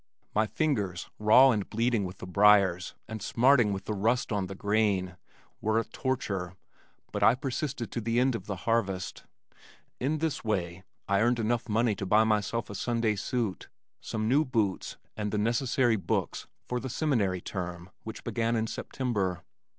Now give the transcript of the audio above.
My fingers, raw and bleeding with the briars and smarting with the rust on the grain, were a torture but I persisted to the end of harvest. In this way I earned enough money to buy myself a Sunday suit, some new boots and the necessary books for the seminary term which began in September.